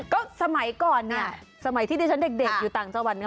ก็สมัยก่อนเนี่ยสมัยที่ดิฉันเด็กอยู่ต่างจังหวัดเนี่ย